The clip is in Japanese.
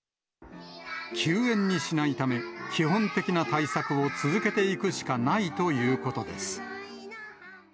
休園にしないため、基本的な対策を続けていくしかないということです。